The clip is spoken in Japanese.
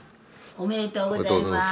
おめでとうございます。